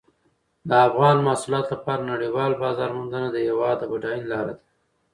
د افغاني محصولاتو لپاره نړیوال بازار موندنه د هېواد د بډاینې لاره ده.